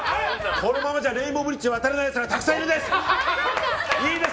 このままじゃレインボーブリッジを渡れない人がたくさんいるんです。